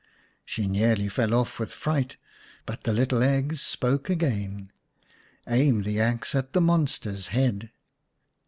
She nearly fell off with fright, but the little eggs spoke again. " Aim the axe at the monster's head."